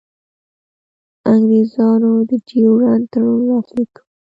انګرېزانو د ډیورنډ تړون لاسلیک کړ.